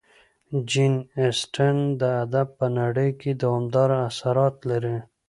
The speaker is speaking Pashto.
جین اسټن د ادب په نړۍ کې دوامداره اثرات لري.